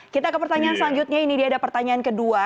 kita ke pertanyaan selanjutnya ini dia ada pertanyaan kedua